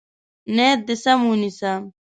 نیت دې سم ونیسه.